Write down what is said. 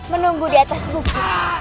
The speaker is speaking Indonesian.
menunggu di atas bukit